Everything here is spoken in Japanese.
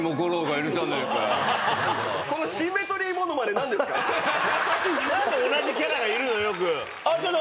何で同じキャラがいるのよく。